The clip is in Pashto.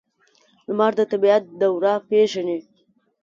لمر د طبیعت دوره پیژني.